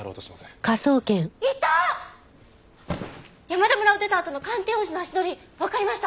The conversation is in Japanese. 山田村を出たあとの鑑定王子の足取りわかりました。